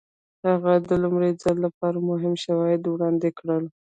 هغه د لومړي ځل لپاره مهم شواهد وړاندې کړل.